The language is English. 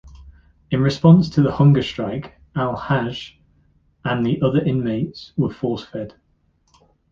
In response to the hunger strike, Al Hajj and the other inmates were force-fed.